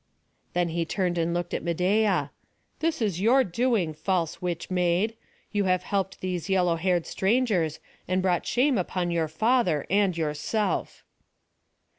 Then he turned and looked at Medeia: "This is your doing, false witch maid! You have helped these yellow haired strangers, and brought shame upon your father and yourself!"